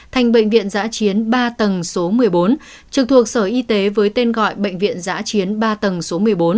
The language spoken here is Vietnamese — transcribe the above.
thành bệnh viện giã chiến ba tầng số một mươi bốn trực thuộc sở y tế với tên gọi bệnh viện giã chiến ba tầng số một mươi bốn